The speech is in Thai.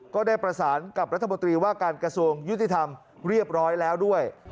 ก็ได้ประสานกับรัฐมนตรีว่าการกระทรวงยุติธรรมเรียบร้อยแล้วด้วย